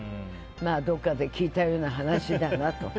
まあどっかで聞いたような話だなと。